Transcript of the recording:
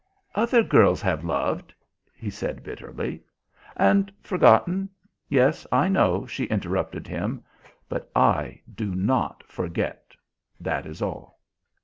"Other girls have loved " he said bitterly. "And forgotten? Yes, I know," she interrupted him. "But I do not forget, that is all."